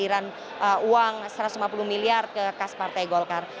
dan uang satu ratus lima puluh miliar ke kas partai golkar